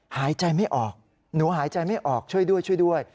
หายใจไม่ออกหนูหายใจไม่ออกช่วยด้วย